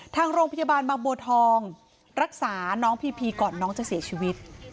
ทางโรงพยาบาลบางบัวทองรักษาน้องพีพีก่อนน้องจะเสียชีวิต